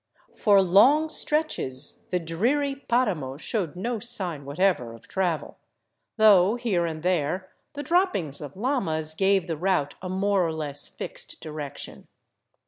For long stretches the dreary paramo showed no sign whatever of travel, though here and there the droppings of llamas gave the route a more or less fixed direction.